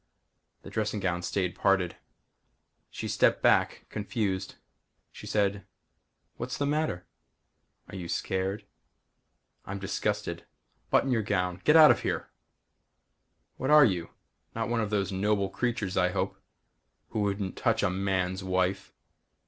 The dressing gown stayed parted. She stepped back, confused. She said, "What's the matter? Are you scared?" "I'm disgusted. Button your gown. Get out of here!" "What are you? Not one of those noble creatures I hope who wouldn't touch a man's wife."